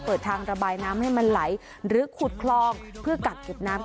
เปิดทางระบายน้ำให้มันไหลหรือขุดคลองเพื่อกักเก็บน้ำ